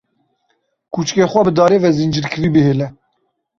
Kûçikê xwe bi darê ve zincîrkirî bihêle.